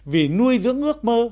vì nuôi dưỡng ước mơ